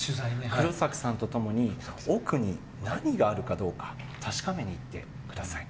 黒崎さんと共に奥に何があるかどうか確かめに行ってください。